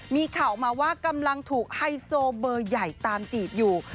มีข่าวมาว่ากำลังถูกไฮโซเบอร์ใหญ่ตามจีบอยู่